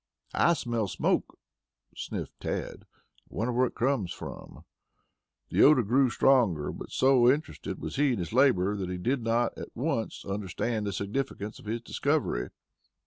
"I smell smoke," sniffed Tad. "I wonder where it comes from?" The odor grew stronger, but so interested was he in his labor that he did not at once understand the significance of his discovery.